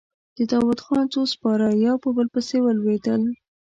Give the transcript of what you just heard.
د داوودخان څو سپاره يو په بل پسې ولوېدل.